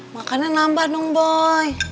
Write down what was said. makannya nambah dong boy